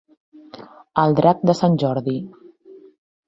El drac de sant Jordi.